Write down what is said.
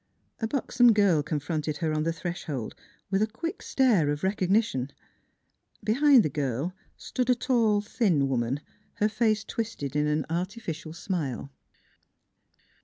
A buxom girl confronted her on the threshold with a quick stare of recognition. Behind the girl stood a tall, thin woman, her face twisted in an artificial smile.